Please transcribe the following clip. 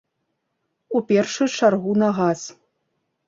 У першую чаргу на газ.